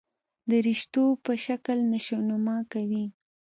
درشتو په شکل نشونما کوي.